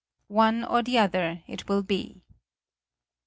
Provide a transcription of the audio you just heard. One or the other it will be."